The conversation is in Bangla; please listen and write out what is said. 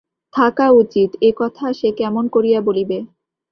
থাকা উচিত, এ কথা সে কেমন করিয়া বলিবে।